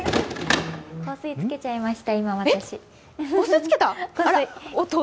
香水つけちゃいました。